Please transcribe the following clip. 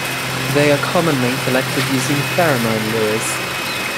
They are commonly collected using pheromone lures.